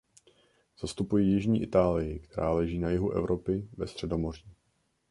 Zastupuji jižní Itálii, která leží na jihu Evropy, ve Středomoří.